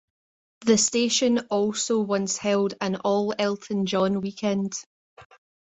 The station also once held an all-Elton John weekend.